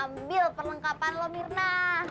ambil perlengkapan lo mirna